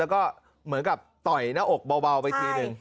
แล้วก็เหมือนกับต่อยหน้าอกเบาไปทีหนึ่ง